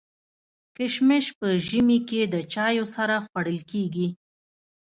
کشمش په ژمي کي د چايو سره خوړل کيږي.